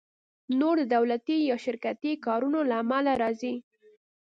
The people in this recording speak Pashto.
نور د دولتي یا شرکتي کارونو له امله راځي